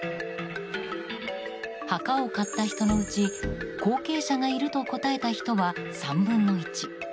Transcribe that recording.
墓を買った人のうち後継者がいると答えた人は３分の１。